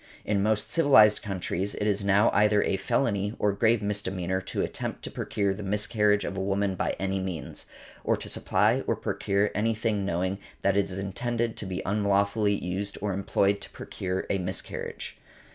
In most civilized countries it is now either a felony, or grave misdemeanor, to attempt to procure the miscarriage of a woman by any means; or to supply or procure any thing knowing that it is intended to be unlawfully used or employed to procure a miscarriage .